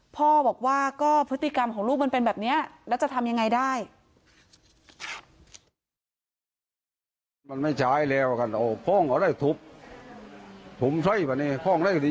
พ่อบอกว่าก็พฤติกรรมของลูกมันเป็นแบบนี้แล้วจะทำยังไงได้